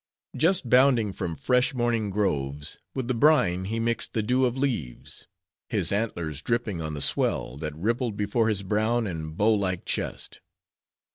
Just bounding from fresh morning groves, with the brine he mixed the dew of leaves,—his antlers dripping on the swell, that rippled before his brown and bow like chest.